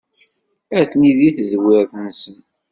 Atni deg tedwirt-nsen.